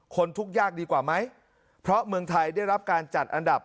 คนทุกข์ยากดีกว่าไหมเพราะเมืองไทยได้รับการจัดอันดับ